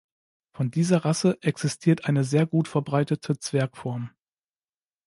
Von dieser Rasse existiert eine sehr gut verbreitete Zwergform.